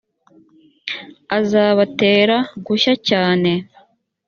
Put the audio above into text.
azabatera gushya cyane